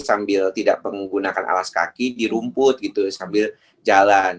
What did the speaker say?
sambil tidak menggunakan alas kaki di rumput gitu sambil jalan